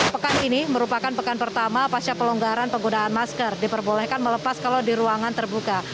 pekan ini merupakan pekan pertama pasca pelonggaran penggunaan masker diperbolehkan melepas kalau di ruangan terbuka